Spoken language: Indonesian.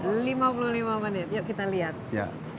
yuk kita lihat ya